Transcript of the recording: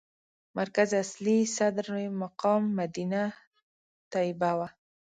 مرکز اصلي صدر مقام مدینه طیبه وه.